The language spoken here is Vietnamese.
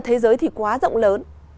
thế giới thì quá rộng lớn